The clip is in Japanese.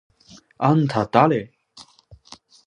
あんただれ？！？